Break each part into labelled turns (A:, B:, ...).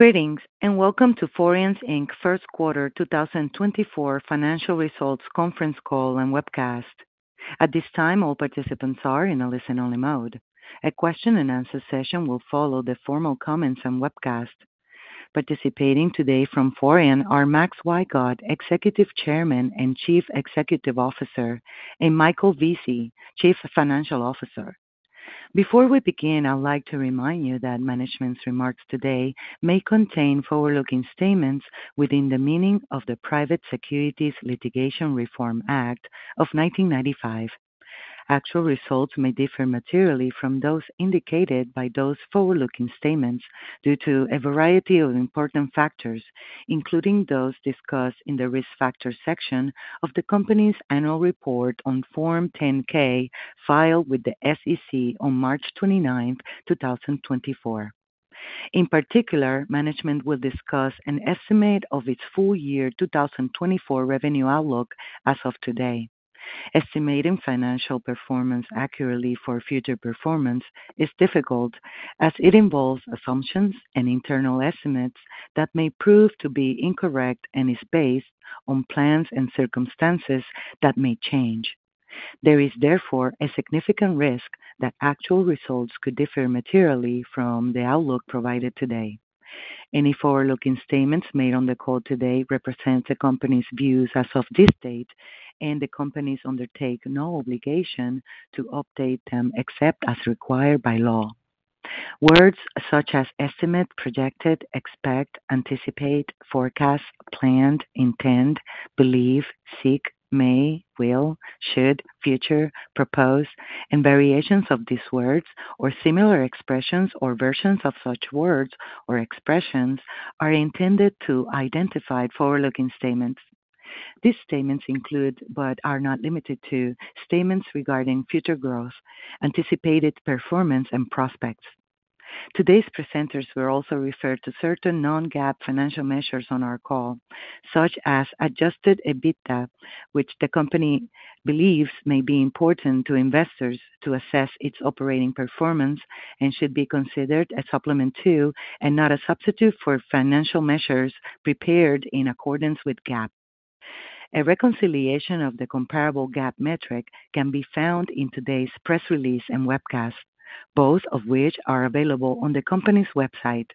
A: Greetings, and welcome to Forian, Inc.'s First Quarter 2024 Financial Results Conference Call and Webcast. At this time, all participants are in a listen-only mode. A question-and-answer session will follow the formal comments and webcast. Participating today from Forian are Max Wygod, Executive Chairman and Chief Executive Officer, and Michael Vesey, Chief Financial Officer. Before we begin, I'd like to remind you that management's remarks today may contain forward-looking statements within the meaning of the Private Securities Litigation Reform Act of 1995. Actual results may differ materially from those indicated by those forward-looking statements due to a variety of important factors, including those discussed in the Risk Factors section of the company's annual report on Form 10-K, filed with the SEC on March 29, 2024. In particular, management will discuss an estimate of its full year 2024 revenue outlook as of today. Estimating financial performance accurately for future performance is difficult, as it involves assumptions and internal estimates that may prove to be incorrect and is based on plans and circumstances that may change. There is, therefore, a significant risk that actual results could differ materially from the outlook provided today. Any forward-looking statements made on the call today represent the company's views as of this date, and the company undertakes no obligation to update them except as required by law. Words such as estimate, projected, expect, anticipate, forecast, planned, intend, believe, seek, may, will, should, future, propose, and variations of these words or similar expressions or versions of such words or expressions are intended to identify forward-looking statements. These statements include, but are not limited to, statements regarding future growth, anticipated performance, and prospects. Today's presenters will also refer to certain non-GAAP financial measures on our call, such as adjusted EBITDA, which the company believes may be important to investors to assess its operating performance and should be considered a supplement to, and not a substitute for, financial measures prepared in accordance with GAAP. A reconciliation of the comparable GAAP metric can be found in today's press release and webcast, both of which are available on the company's website.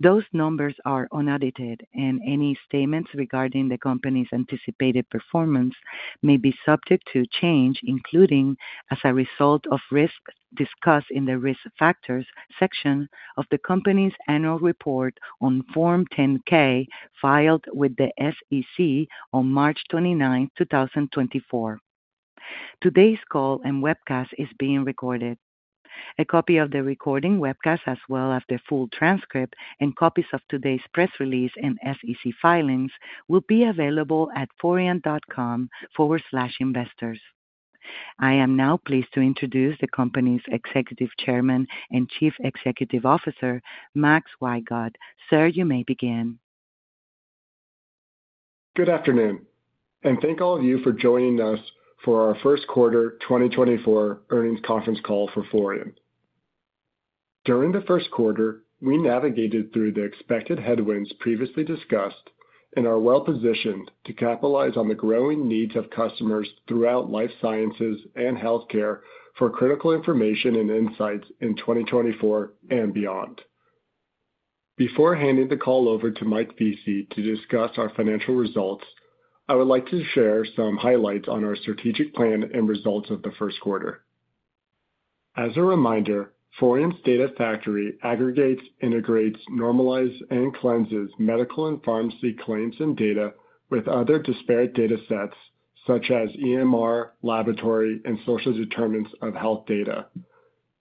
A: Those numbers are unaudited, and any statements regarding the company's anticipated performance may be subject to change, including as a result of risks discussed in the Risk Factors section of the company's annual report on Form 10-K, filed with the SEC on March 29th, 2024. Today's call and webcast is being recorded. A copy of the recording webcast, as well as the full transcript and copies of today's press release and SEC filings, will be available at Forian.com/investors. I am now pleased to introduce the company's Executive Chairman and Chief Executive Officer, Max Wygod. Sir, you may begin.
B: Good afternoon, and thank all of you for joining us for our first quarter 2024 earnings conference call for Forian. During the first quarter, we navigated through the expected headwinds previously discussed and are well positioned to capitalize on the growing needs of customers throughout life sciences and healthcare for critical information and insights in 2024 and beyond. Before handing the call over to Mike Vesey to discuss our financial results, I would like to share some highlights on our strategic plan and results of the first quarter. As a reminder, Forian's Data Factory aggregates, integrates, normalizes, and cleanses medical and pharmacy claims and data with other disparate datasets such as EMR, laboratory, and social determinants of health data.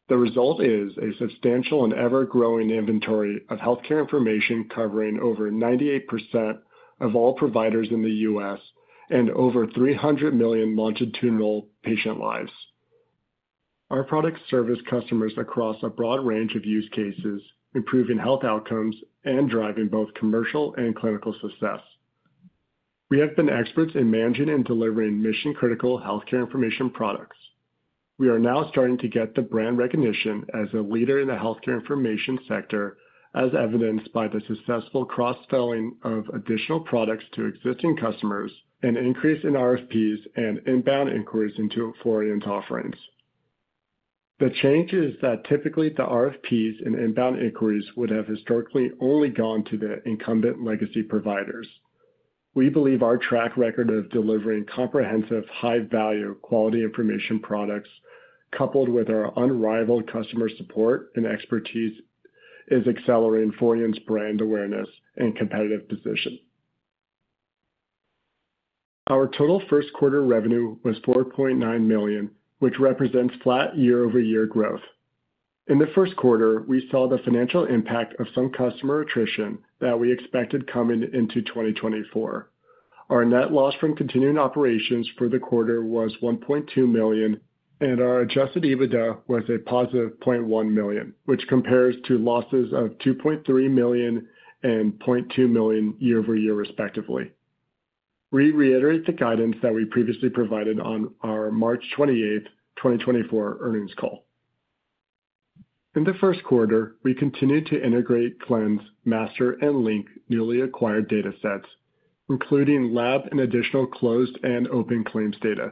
B: The result is a substantial and ever-growing inventory of healthcare information covering over 98% of all providers in the U.S. and over 300 million longitudinal patient lives. Our products service customers across a broad range of use cases, improving health outcomes and driving both commercial and clinical success. We have been experts in managing and delivering mission-critical healthcare information products. We are now starting to get the brand recognition as a leader in the healthcare information sector, as evidenced by the successful cross-selling of additional products to existing customers, an increase in RFPs, and inbound inquiries into Forian's offerings. The change is that typically, the RFPs and inbound inquiries would have historically only gone to the incumbent legacy providers. We believe our track record of delivering comprehensive, high-value, quality information products, coupled with our unrivaled customer support and expertise, is accelerating Forian's brand awareness and competitive position. Our total first quarter revenue was $4.9 million, which represents flat year-over-year growth. In the first quarter, we saw the financial impact of some customer attrition that we expected coming into 2024. Our net loss from continuing operations for the quarter was $1.2 million, and our adjusted EBITDA was a positive $0.1 million, which compares to losses of $2.3 million and $0.2 million year-over-year, respectively. We reiterate the guidance that we previously provided on our March 28, 2024 earnings call. In the first quarter, we continued to integrate cleanse, master, and link newly acquired data sets, including lab and additional closed and open claims data,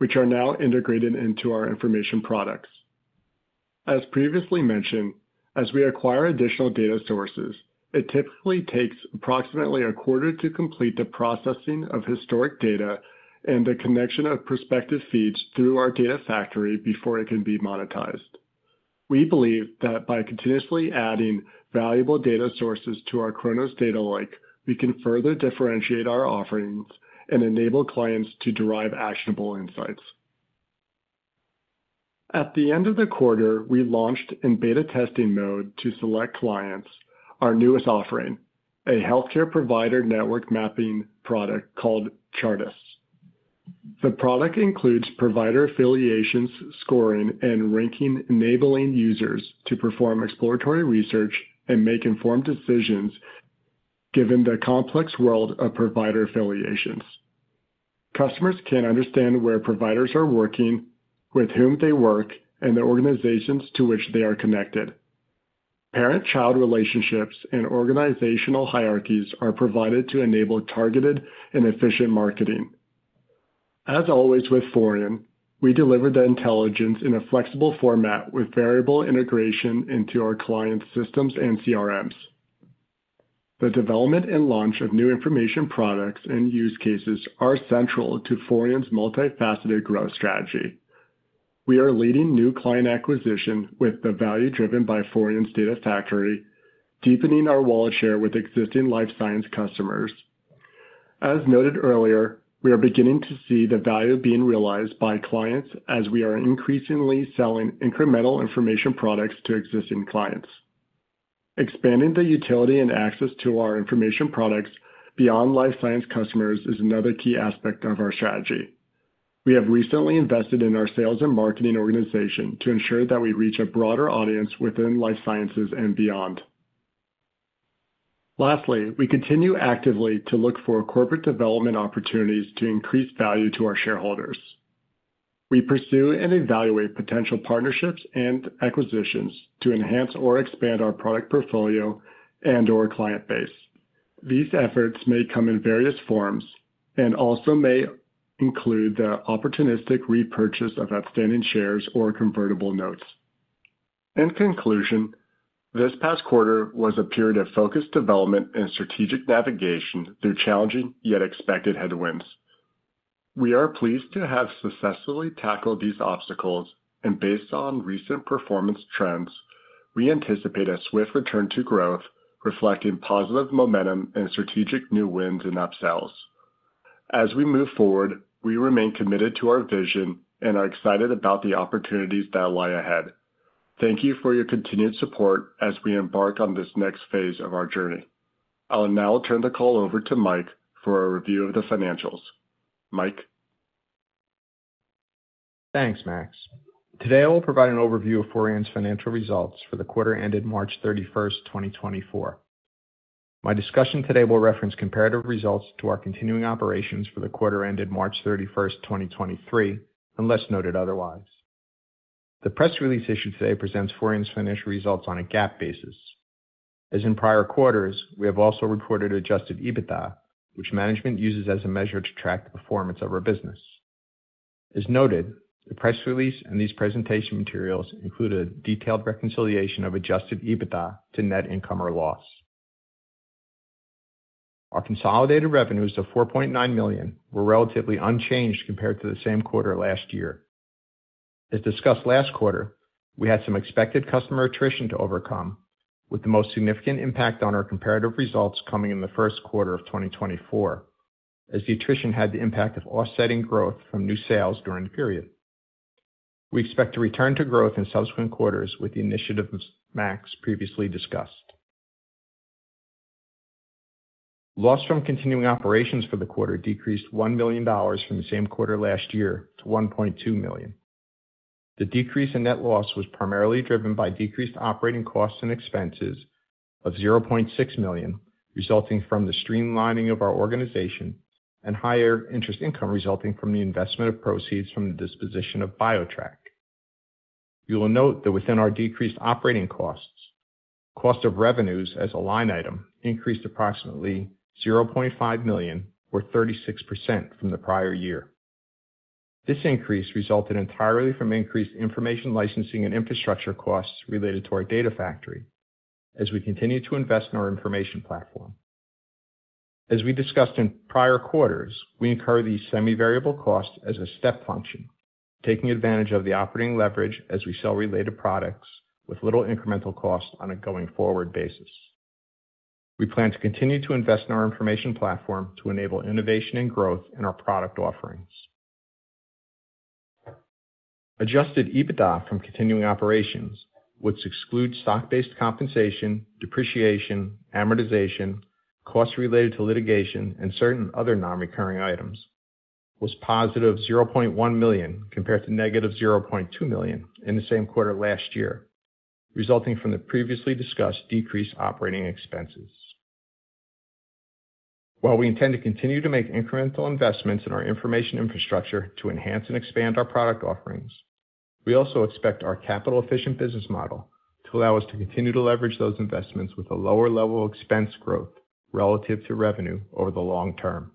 B: which are now integrated into our information products. As previously mentioned, as we acquire additional data sources, it typically takes approximately a quarter to complete the processing of historic data and the connection of prospective feeds through our Data Factory before it can be monetized. We believe that by continuously adding valuable data sources to our Chronos data lake, we can further differentiate our offerings and enable clients to derive actionable insights. At the end of the quarter, we launched in beta testing mode to select clients, our newest offering, a healthcare provider network mapping product called Chartis. The product includes provider affiliations, scoring, and ranking, enabling users to perform exploratory research and make informed decisions given the complex world of provider affiliations. Customers can understand where providers are working, with whom they work, and the organizations to which they are connected. Parent-child relationships and organizational hierarchies are provided to enable targeted and efficient marketing. As always, with Forian, we deliver the intelligence in a flexible format with variable integration into our clients' systems and CRMs. The development and launch of new information products and use cases are central to Forian's multifaceted growth strategy. We are leading new client acquisition with the value driven by Forian's Data Factory, deepening our wallet share with existing life science customers. As noted earlier, we are beginning to see the value being realized by clients as we are increasingly selling incremental information products to existing clients. Expanding the utility and access to our information products beyond life science customers is another key aspect of our strategy. We have recently invested in our sales and marketing organization to ensure that we reach a broader audience within life sciences and beyond. Lastly, we continue actively to look for corporate development opportunities to increase value to our shareholders. We pursue and evaluate potential partnerships and acquisitions to enhance or expand our product portfolio and/or client base. These efforts may come in various forms and also may include the opportunistic repurchase of outstanding shares or convertible notes. In conclusion, this past quarter was a period of focused development and strategic navigation through challenging yet expected headwinds. We are pleased to have successfully tackled these obstacles, and based on recent performance trends, we anticipate a swift return to growth, reflecting positive momentum and strategic new wins and upsells. As we move forward, we remain committed to our vision and are excited about the opportunities that lie ahead. Thank you for your continued support as we embark on this next phase of our journey. I'll now turn the call over to Mike for a review of the financials. Mike?
C: Thanks, Max. Today, I will provide an overview of Forian's financial results for the quarter ended March 31st, 2024. My discussion today will reference comparative results to our continuing operations for the quarter ended March 31st, 2023, unless noted otherwise. The press release issued today presents Forian's financial results on a GAAP basis. As in prior quarters, we have also recorded Adjusted EBITDA, which management uses as a measure to track the performance of our business. As noted, the press release and these presentation materials include a detailed reconciliation of Adjusted EBITDA to net income or loss. Our consolidated revenues of $4.9 million were relatively unchanged compared to the same quarter last year. As discussed last quarter, we had some expected customer attrition to overcome, with the most significant impact on our comparative results coming in the first quarter of 2024, as the attrition had the impact of offsetting growth from new sales during the period. We expect to return to growth in subsequent quarters with the initiatives Max previously discussed. Loss from continuing operations for the quarter decreased $1 million from the same quarter last year to $1.2 million. The decrease in net loss was primarily driven by decreased operating costs and expenses of $0.6 million, resulting from the streamlining of our organization and higher interest income resulting from the investment of proceeds from the disposition of BioTrack. You will note that within our decreased operating costs, cost of revenues as a line item increased approximately $0.5 million, or 36%, from the prior year. This increase resulted entirely from increased information licensing and infrastructure costs related to our Data Factory as we continue to invest in our information platform. As we discussed in prior quarters, we incur these semi-variable costs as a step function, taking advantage of the operating leverage as we sell related products with little incremental cost on a going-forward basis. We plan to continue to invest in our information platform to enable innovation and growth in our product offerings. Adjusted EBITDA from continuing operations, which excludes stock-based compensation, depreciation, amortization, costs related to litigation, and certain other non-recurring items, was positive $0.1 million, compared to negative $0.2 million in the same quarter last year resulting from the previously discussed decreased operating expenses. While we intend to continue to make incremental investments in our information infrastructure to enhance and expand our product offerings, we also expect our capital-efficient business model to allow us to continue to leverage those investments with a lower level of expense growth relative to revenue over the long term.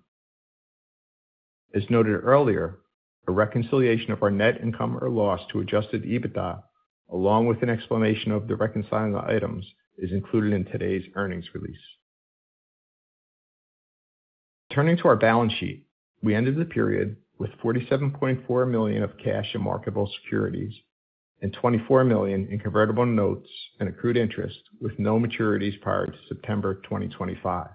C: As noted earlier, a reconciliation of our net income or loss to Adjusted EBITDA, along with an explanation of the reconciling items, is included in today's earnings release. Turning to our balance sheet, we ended the period with $47.4 million of cash and marketable securities and $24 million in convertible notes and accrued interest, with no maturities prior to September 2025.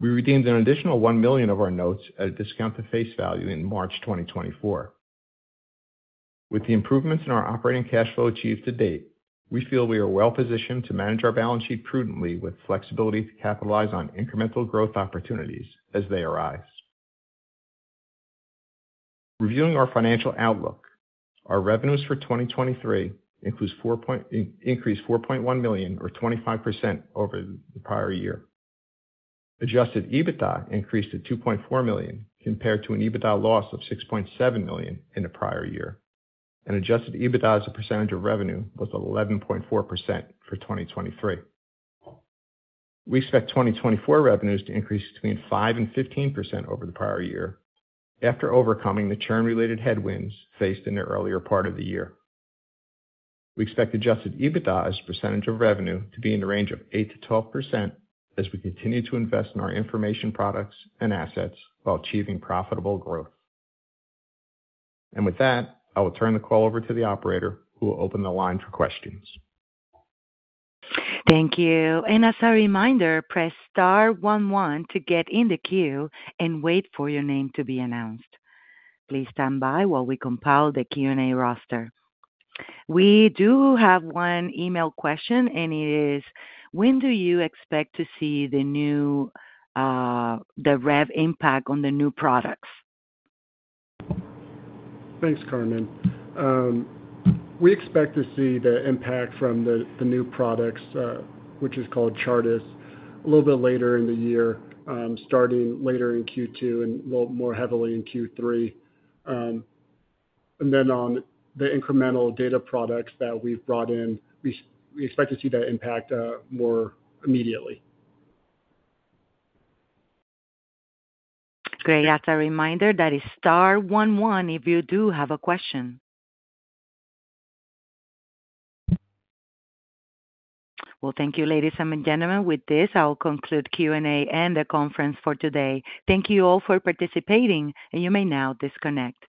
C: We redeemed an additional $1 million of our notes at a discount to face value in March 2024. With the improvements in our operating cash flow achieved to date, we feel we are well positioned to manage our balance sheet prudently, with flexibility to capitalize on incremental growth opportunities as they arise. Reviewing our financial outlook, our revenues for 2023 increased $4.1 million or 25% over the prior year. Adjusted EBITDA increased to $2.4 million, compared to an EBITDA loss of $6.7 million in the prior year, and adjusted EBITDA as a percentage of revenue was 11.4% for 2023. We expect 2024 revenues to increase between 5%-15% over the prior year, after overcoming the churn-related headwinds faced in the earlier part of the year. We expect Adjusted EBITDA as a percentage of revenue to be in the range of 8%-12% as we continue to invest in our information products and assets while achieving profitable growth. With that, I will turn the call over to the operator, who will open the line for questions.
A: Thank you. As a reminder, press star one one to get in the queue and wait for your name to be announced. Please stand by while we compile the Q&A roster. We do have one email question, and it is: When do you expect to see the new, the rev impact on the new products?
B: Thanks, Carmen. We expect to see the impact from the, the new products, which is called Chartis, a little bit later in the year, starting later in Q2 and more, more heavily in Q3. And then on the incremental data products that we've brought in, we, we expect to see that impact, more immediately.
A: Great. As a reminder, that is star one one if you do have a question. Well, thank you, ladies and gentlemen. With this, I will conclude Q&A and the conference for today. Thank you all for participating, and you may now disconnect.